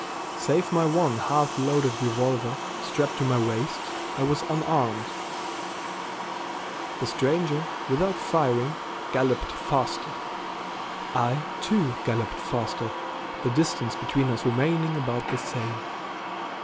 Save my one half loaded revolver, strapped to my waist, I was unarmed. The stranger, without firing, galloped faster. I, too, galloped faster, the distance between us remaining about the same.